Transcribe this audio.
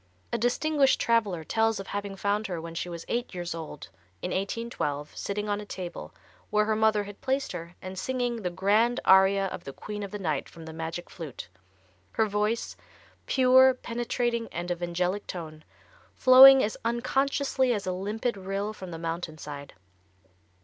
A distinguished traveler tells of having found her when she was eight years old, in 1812, sitting on a table, where her mother had placed her, and singing the grand aria of the Queen of the Night from the "Magic Flute," her voice, "pure, penetrating and of angelic tone," flowing as "unconsciously as a limpid rill from the mountain side."